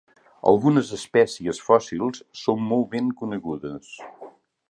Algunes espècies fòssils són molt ben conegudes.